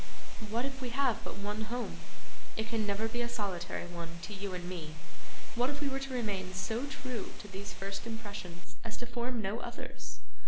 What if we have but one home? It can never be a solitary one to you and me. What if we were to remain so true to these first impressions as to form no others?